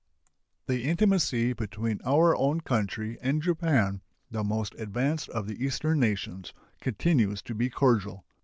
The intimacy between our own country and Japan, the most advanced of the Eastern nations, continues to be cordial.